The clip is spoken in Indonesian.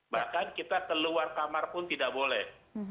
bahkan kita keluar kamar pun tidak boleh